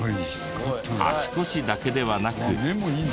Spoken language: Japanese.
足腰だけではなく。